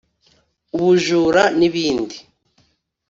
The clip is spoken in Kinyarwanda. ubujura n’ibindi